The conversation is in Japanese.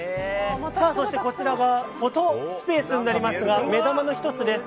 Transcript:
そしてこちらがフォトスペースになりますが目玉の１つです。